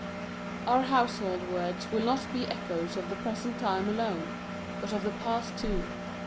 Our Household Words will not be echoes of the present time alone, but of the past too.